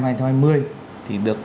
năm hai nghìn hai mươi thì được